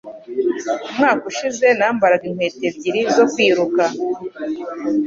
Umwaka ushize nambaraga inkweto ebyiri zo kwiruka.